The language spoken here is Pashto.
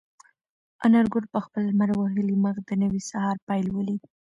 انارګل په خپل لمر وهلي مخ د نوي سهار پیل ولید.